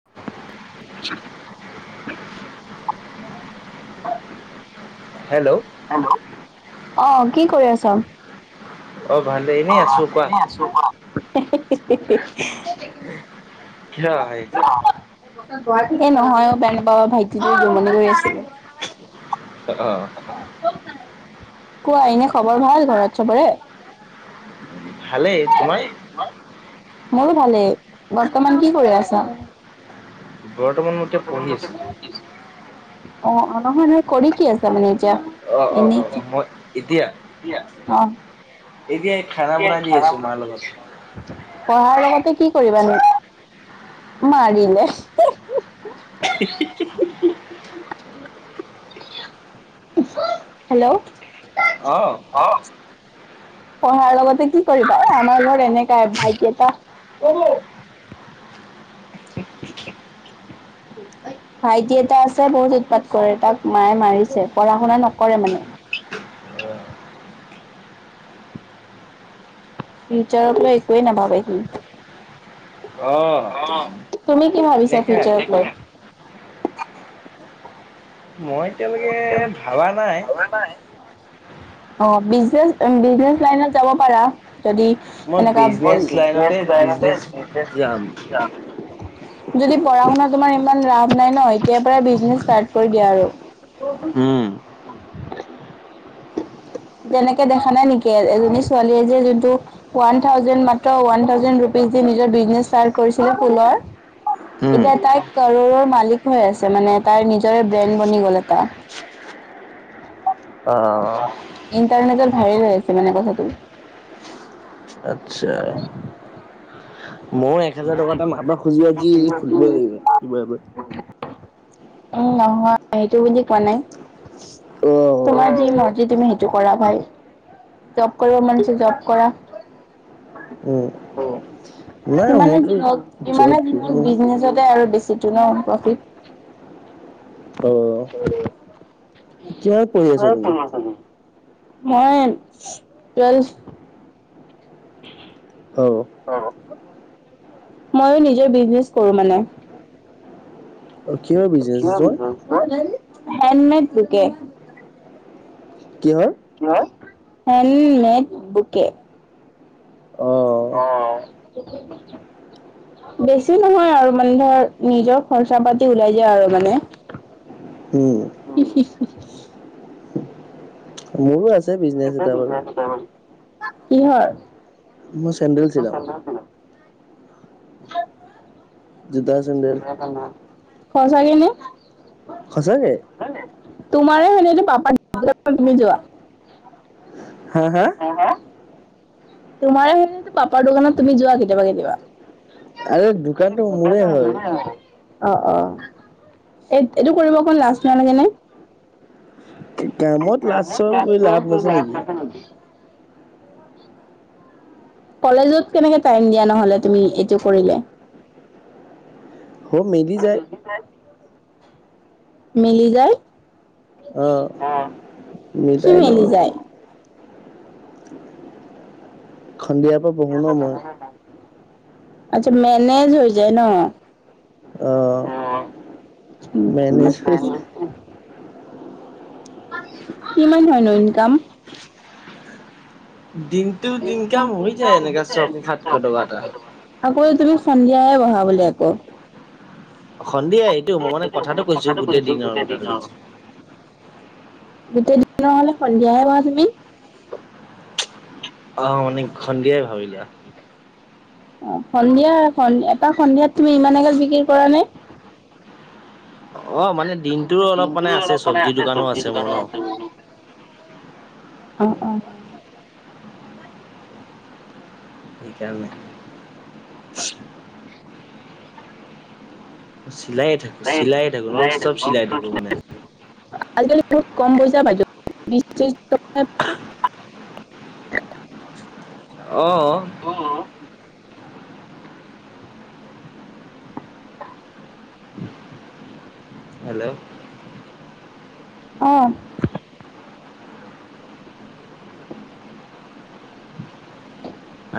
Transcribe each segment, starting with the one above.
[unintelligible] Hello hello, অ কি কৰি আছ, অ ভালে অ এনেই অ আছো কোৱা এনেই আছো কিয় আহিছা [unintelligible] এ নহয় অ বেয়া নেপাবা ভাইটিটো জমনি কৰি আছিলে অ কোৱা এনেই খবৰ ভাল ঘৰত চবৰে ভালেই তোমাৰ মোৰো ভালেই বৰ্তমান কি কৰি আছা? বৰ্তমান মই এতিয়া পঢ়ি আছো অ অ নহয় নহয় কৰি কি আছা মানে এতিয়া? অ অ এনেই অ মই এতিয়া অ এতিয়া খানা বনাই দি এতিয়া আছো [unintelligible] পঢ়া মাৰ শুনাত লগত ব্যস্ত পঢ়াৰ লগতে কি কৰিবানো? মাৰিলে [unintelligible] হি হি হি হেল্ল' অ অ পঢ়াৰ লগতে কি কৰিবা অ আমাৰ ঘৰত এনেকাই ভাইটি এটা [unintelligible] ভাইটি এটা আছে বহুত উৎপাত কৰে তাক মায়ে মাৰিছে পঢ়া শুনা নকৰে মানে ফিউচাৰক লৈ একোৱেই নাভাবে সি অ তুমি কি ভাবিছা এনেকে ফিউচাৰক লৈ মই এতিয়ালৈকে ভাবা নাই ভাবা নাই অ বিজনেচ বিজনেচ লাইনত যাব পাৰা যদি মই এনেকা মই বিজনেচ লাইনতে বিজনেছ লাইনতে বিজনেচ বিজনেছ যাম যাম যদি পঢ়া শুনাত তোমাৰ ইমান ৰাপ নাই ন এতিয়াৰ পৰা বিজনেছ ষ্টাৰ্ট কৰি দিয়া আৰু [unintelligible] উম যেনেকে দেখা নাই নেকি এজনী ছোৱালীয়ে যে যোনটো ওৱান থাউজেণ্ড মাত্ৰ ওৱান থাউজেণ্ড ৰুপিজ দি নিজৰ বিজনেছ ষ্টাৰ্ট কৰিছিলে ফুলৰ উম এতিয়া তাই কৰৌৰৰ মালিক হৈ আছে মানে তাৰ নিজৰে ব্ৰেণ্ড বনি গ'ল এটা অ ইণ্টাৰনেটত ভাইৰেল হৈ আছে মানে কথাটো আচ্ছা, মোৰ এক হেজাৰ টকা এটা মাৰ পৰা খুজি আজি খুলিব লাগিব কিবা এটা - উম নহয় সেইটো বুলি কোৱা নাই, অ তোমাৰ যি মৰ্জি তুমি - টো কৰা ভাই। জব কৰিব মন আছে জব কৰা। উম। নাই যিমানে মোৰতো যি নহওক যিমানে যি নহ‌ওক জব বিজনেছতে আৰু বেছিটো ন প্ৰফিট। হয় বাৰু। [unintelligible] হয় টো তুমি মাজনি মই টুৱেলভ - [unintelligible] হব। হব। মইয়ো নিজৰ বিজনেছ কৰো মানে। কিহৰ অ বিজনেচ কিমান তোমাৰ [unintelligible] হেণ্ডমেড বুকে। কিহৰ? কিহৰ? হেণ্ডমেড বুকে। অ। বেছি নহয় আৰু মানে ধৰ নিজৰ খৰচা পাতি ওলাই যায় আৰু মানে। উম উম উম। মোৰো আছে বিজনেছ এটা বাৰু। ছাগলী। কিহৰ? মই চেণ্ডেল চিলাওঁ। জোতা চেন্দেল সঁচাকে নে? সঁচাকে। তোমাৰ হয় নে, এইটো পাপাক [unintelligible] তুমি যোৱা? হে হে? হে হে? তোমাৰে হয় নে, এইটো পাপাৰ দোকানত তুমি যোৱা কেতিয়াবা কেতিয়াবা? আৰে দোকানটো মোৰে হয়। অ অ এই এইটো কৰিব কাৰণে লাজ নালাগে নে? কামত লাজ কৰিলে লাভ হ'ব নেকি? কলেজত কেনেকে টাইম দিয়া নহলে তুমি এইটো কৰিলে? চব মিলি যায়। মেলি যায়, অ কি মিলাই লওঁ মেলি আৰু যায়? সন্ধিয়া পৰা ব [unintelligible] আচ্ছা, মেনেজ হৈ যায় ন? অ মেনেজ হৈ যায় [unintelligible] কিমান হয় নো ইনকাম? দিনটোত ইনকাম হৈ যায় এনেকা ছশ সাতশ টকা এটা। আকৌ তুমি সন্ধিয়া বহা বুলে আকৌ। সন্ধিয়াই। এনেই এইটো সময়ত কথাটো কৈছো দিছো গোটেই কথাটো দিনৰ কৈছো কথা। গোটেই দিনৰ হলে সন্ধিয়াহে বহা তুমি। অ মানে সন্ধিয়াই ভাবি লোৱা। অ সন্ধিয়া এটা সন্ধিয়াত তুমি ইমান এগাল বিক্ৰী কৰা নে? অ মানে মানে দিনটোৰো অলপ দিনটোৰো অলপ মানে চব্জি আছে দোকানো চব্জি মোৰ দোকানো ন আছে বোলো। অ অ। সেইকাৰনে। [inaudible] চিলাই থাকো চিলাই থাকো নন ষ্টপ চিলাই থাকো মানে। আজিকালি বহুত কম পইচা পাইছো বিশ ত্ৰিশ টকা অঁ। অ। হেল্ল'! অঁ।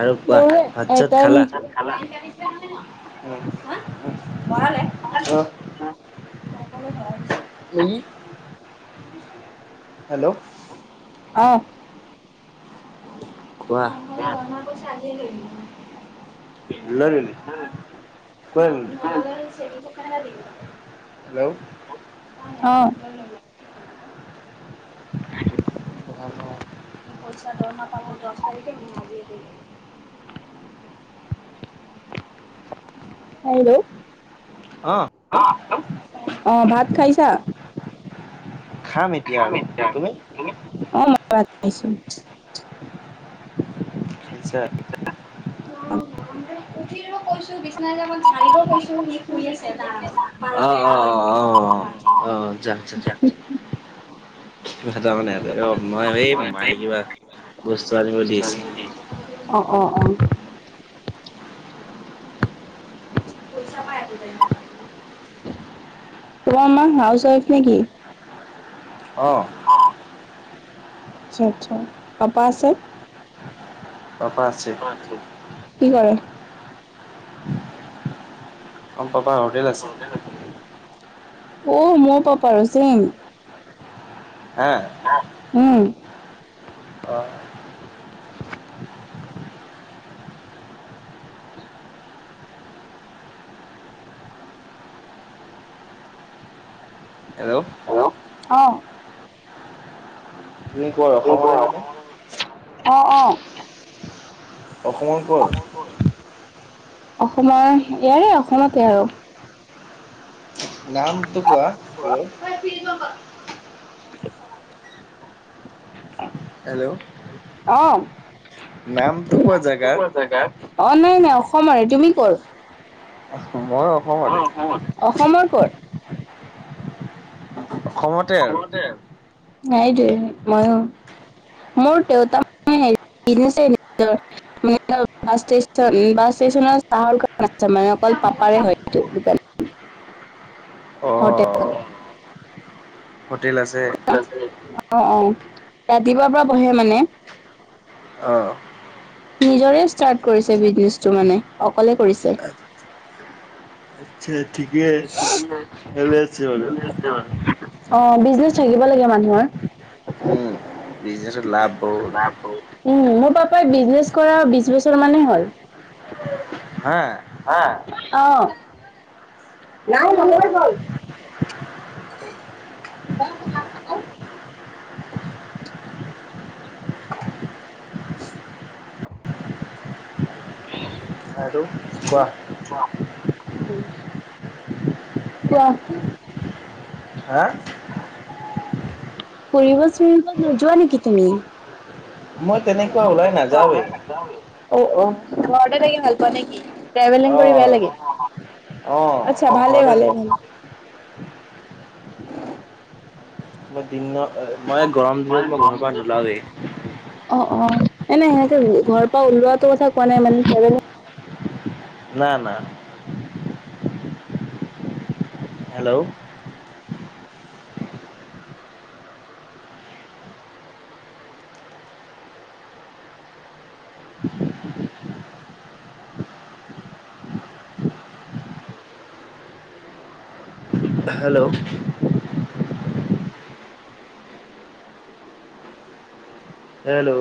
আৰু কোৱা মোৰো ভাত এটা চাত খালা? উম উম অঁ মা কাৰনে ভাল। ই উম [inaudible] হেল্ল'! অহ। কোৱা? কোৱা মই কৈছো আজিয়ে লৈ যোৱা। দিলা নেকি [unintelligible] কেনেকুৱা লাগিছে [unintelligible] হেল্ল'! অ' [unintelligible] পইচা দৰমহা পাব দহ তাৰিখে দিম আজিয়ে দিম। হেল্ল! অঁ। অ' হেল্ল'। অঁ ভাত খাইছা? খাম এ খাম এতিয়া। আপুনি? অ মই ভাত খাইছো। আচ্ছা। উঠিলেও [unintelligible] তোৰ বিচনা যে মই ঝাৰিব কৈছো, সি শুই আছে তাৰ আৰামত। অ অ অ অ। অঁ যা যা কিবা তাৰমানে এহেতে অ' মই এই মায়ে কিবা বস্তু আনিব দিছে। অ অ অ তোমাৰ মা হাউচ ৱাইফ নেকি? অঁ। আচ্ছা আচ্ছা। পাপা আছে? পাপা আছে। কি কৰে? আমাৰ পাপাৰ হোটেল আছে। অ' মোৰ পাপাৰো, চেম। হা'! হা'! উম। অ'। হেল্ল' অ'। তুমি ক'ৰ, অসমৰে হয় নে? অ' অ'। অসমৰ ক'ৰ? অসমৰ ক'ৰ? অসমৰ ইয়াৰে অসমতে আৰু। নামটো কোৱা, ক'ৰ? [inaudible] হেল্ল'! অ'। নামটো কোৱা জেগাৰ? জেগাৰ? অ' নাই-নাই অসমৰে। তুমি ক'ৰ? মইয়ো অসমৰেই। অসমৰ ক'ৰ? অসমতে আৰু অসমতে, সেইটোৱে মইয়ো। [inaudible] [inaudible] অ' অ [unintelligible] হোটেল আছে অ' অ' ৰাতিপুৱাৰ পৰা বহে মানে। অ'। নিজৰে ষ্টাৰ্ট কৰিছে বিজনেছটো মানে, অকলে কৰিছে। আচ্ছা ঠিকেই। খেলি আছে বাৰু। [unintelligible] অ' বিজনেছ থাকিব লাগে মানুহৰ। উম, বিজনেছত লাভ বহুত। উম, মোৰ পাপাই বিজনেছ কৰা বিশ বছৰ মানেই হ'ল। হা। হা'? অ' নাই বাহিৰলে অ' গল। [inaudible] [inaudible] [inaudible] আৰু কোৱা। তেওঁ হা'? ফুৰিব-চুৰিব নোযোৱা নেকি তুমি? মই তেনেকুৱা [unintelligible] অ'-অ' ওলাই ঘৰতে থাকি নাযাওঁৱেই। ভাল পোৱা নেকি? ট্ৰেভেলিং কৰি বেয়া অ' লাগে, অ' আচ্ছা মই ভালে ঘৰতে ভালে থাকিম। ভালে। মই দিনৰ মই গৰম দিনত মই ঘৰৰ পৰা নোলাওৱেই। অ' অ', এনে সেনেকে ঘৰৰ পৰা ওলোৱাটো কথা কোৱা নাই মানে। না-না'। হেল্ল'! হেল্ল'! হেল্ল'!